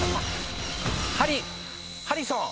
ハリハリソン。